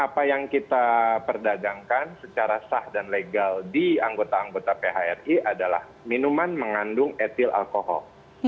apa yang kita perdagangkan secara sah dan legal di anggota anggota phri adalah minuman mengandung etil alkohol